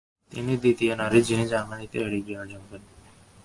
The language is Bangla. তিনি দ্বিতীয় নারী যিনি জার্মানিতে এই ডিগ্রি অর্জন করে।